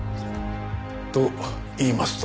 といいますと？